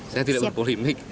saya tidak berpolemik